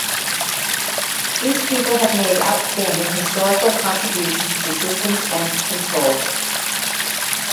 These people have made outstanding historical contributions to systems and control.